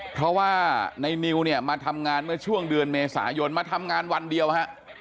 เพราะว่าในนิวเนี่ยมาทำงานเมื่อช่วงเดือนเมษายนมาทำงานวันเดียวฮะ